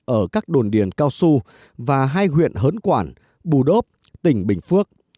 ở các đồn điền cao su và hai huyện hớn quản bù đốp tỉnh bình phước